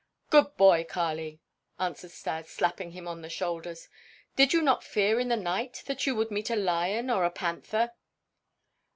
"Good boy, Kali!" answered Stas, slapping him on the shoulders. "Did you not fear in the night that you would meet a lion or a panther?"